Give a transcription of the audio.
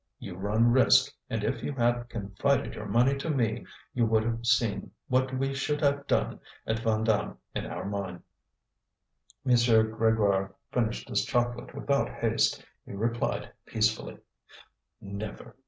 You run risk, and if you had confided your money to me you would have seen what we should have done at Vandame in our mine!" M. Grégoire finished his chocolate without haste. He replied peacefully: "Never!